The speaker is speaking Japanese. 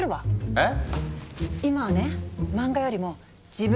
えっ？